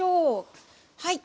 はい。